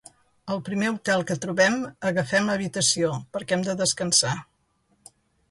Al primer hotel que trobem agafem habitació perquè hem de descansar.